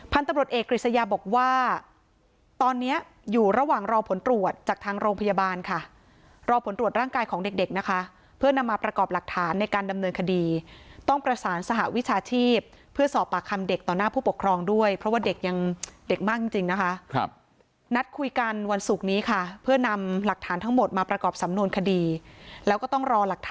ตำรวจเอกกฤษยาบอกว่าตอนนี้อยู่ระหว่างรอผลตรวจจากทางโรงพยาบาลค่ะรอผลตรวจร่างกายของเด็กเด็กนะคะเพื่อนำมาประกอบหลักฐานในการดำเนินคดีต้องประสานสหวิชาชีพเพื่อสอบปากคำเด็กต่อหน้าผู้ปกครองด้วยเพราะว่าเด็กยังเด็กมากจริงจริงนะคะครับนัดคุยกันวันศุกร์นี้ค่ะเพื่อนำหลักฐานทั้งหมดมาประกอบสำนวนคดีแล้วก็ต้องรอหลักท